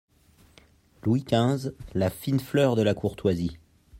Louis quinze, la fine fleur de la courtoisie !…